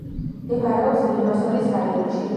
მდებარეობს ლიმასოლის რაიონში.